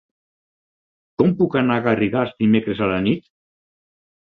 Com puc anar a Garrigàs dimecres a la nit?